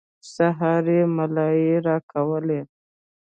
سهار يې ملايي راکوله.